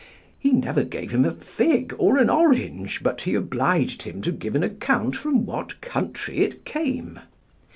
He never gave him a fig or an orange but he obliged him to give an account from what country it came.